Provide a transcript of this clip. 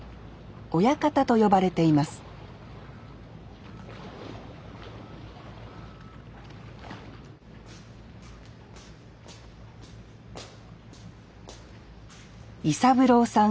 親方と呼ばれています伊三郎さん